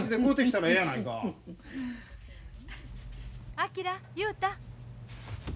昭雄太。